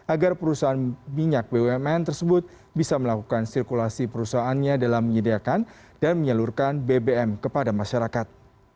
agar perusahaan minyak bumn tersebut bisa melakukan sirkulasi perusahaannya dalam menyediakan dan menyalurkan bbm kepada masyarakat